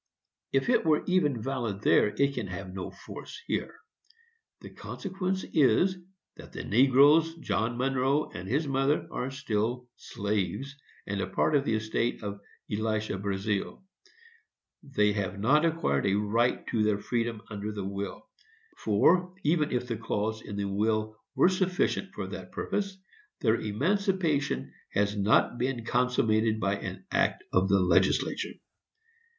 If it were even valid there, it can have no force here. The consequence is, that the negroes, John Monroe and his mother, are still slaves, and a part of the estate of Elisha Brazealle. They have not acquired a right to their freedom under the will; for, even if the clause in the will were sufficient for that purpose, their emancipation has not been consummated by an act of the legislature.